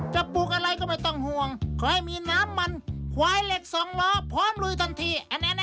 ปลูกอะไรก็ไม่ต้องห่วงขอให้มีน้ำมันควายเหล็กสองล้อพร้อมลุยทันที